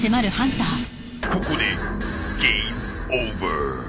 ここでゲームオーバー。